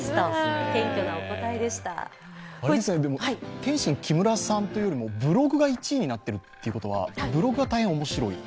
天津木村さんというよりも、ブログが１位になっているということはブログが大変面白いと？